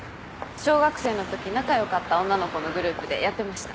小学生のとき仲良かった女の子のグループでやってました。